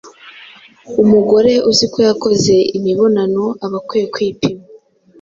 umugore uziko yakoze imibonano aba akwiye kwipima